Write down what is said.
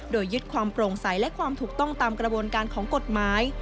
โดยยึดความโปร่งใสและความถูกต้องตามกระบวนการของกฎหมาย